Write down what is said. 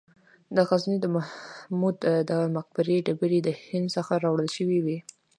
د غزني د محمود د مقبرې ډبرې د هند څخه راوړل شوې وې